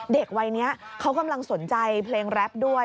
เด็กวัยนี้เขากำลังสนใจเพลงแรปด้วย